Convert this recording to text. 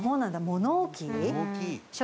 物置？